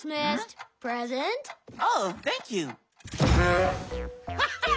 プレゼント。